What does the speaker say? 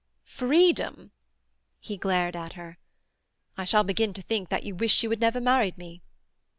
"Freedom?" He glared at her. "I shall begin to think that you wish you had never married me."